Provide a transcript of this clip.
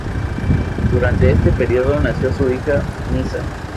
Durante este período nació su hija, Nysa.